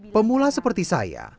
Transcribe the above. pemula seperti saya